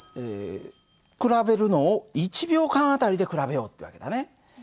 比べるのを１秒間あたりで比べようって訳だね。